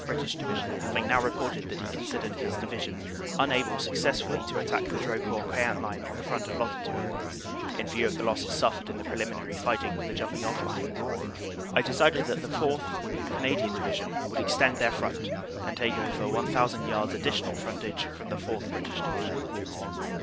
(British) Division having now reported that he considered his Division unable successfully to attack the Drocourt Queant line on the front allotted to him, in view of the losses suffered in the preliminary fighting for the jump ing off line, I decided that the 4th. Canadian Division would extend their front and take over 1,000 yards additional front age from the 4th. (British) Division.